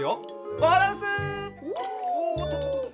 バランス！